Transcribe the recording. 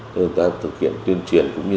chúng ta thực hiện tuyên truyền cũng như